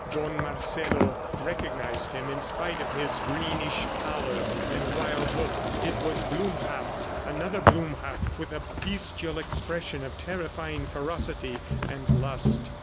Don Marcelo recognized him, in spite of his greenish pallor and wild look. It was Blumhardt another Blumhardt with a bestial expression of terrifying ferocity and lust.